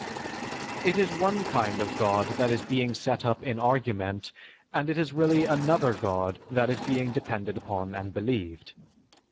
"_) It is one kind of god that is being set up in argument, and it is really another god that is being depended upon and believed.